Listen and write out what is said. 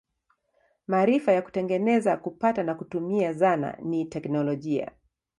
Maarifa ya kutengeneza, kupata na kutumia zana ni teknolojia.